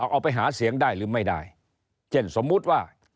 เอาไปหาเสียงได้หรือไม่ได้เช่นสมมุติว่า